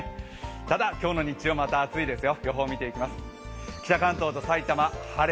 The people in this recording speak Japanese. ただ、今日の日中はまだ暑いですよ。